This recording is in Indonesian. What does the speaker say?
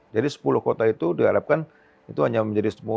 jadi sepuluh kota itu diharapkan itu hanya menjadi sepuluh sekitar